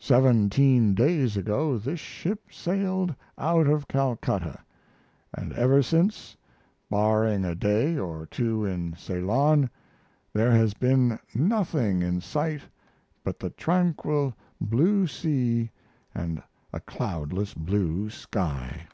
Seventeen days ago this ship sailed out of Calcutta, and ever since, barring a day or two in Ceylon, there has been nothing in sight but the tranquil blue sea & a cloudless blue sky.